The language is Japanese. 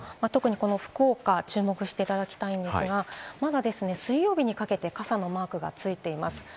福岡を注目していただきたいんですが、まだ水曜日にかけて傘のマークがついています。